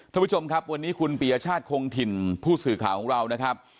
ท่านผู้ชมครับวันนี้คุณปียชาติคงถิ่นผู้สื่อข่าวของเรานะครับ